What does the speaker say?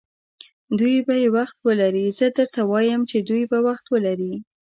دوی به یې وخت ولري، زه درته وایم چې دوی به وخت ولري.